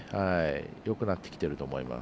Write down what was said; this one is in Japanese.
よくなってきてると思います。